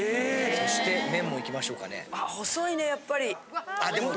・そして麺もいきましょうかね。